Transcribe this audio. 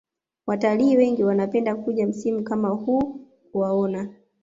Watalii wengi wanapenda kuja msimu kama huu kuwaona